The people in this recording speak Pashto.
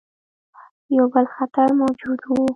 یو بل خطر موجود وو.